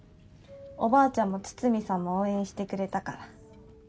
おばあちゃんも筒見さんも応援してくれたから。